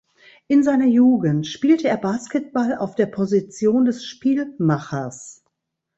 In seiner Jugend spielte er Basketball auf der Position des Spielmachers.